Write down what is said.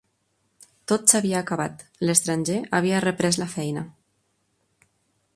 Tot s'havia acabat; l'estranger havia reprès la feina.